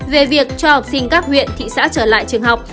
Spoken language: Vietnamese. về việc cho học sinh các huyện thị xã trở lại trường học